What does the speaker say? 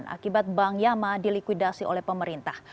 akibat bank yama dilikuidasi oleh pemerintah